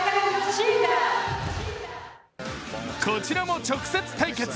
こちらも直接対決。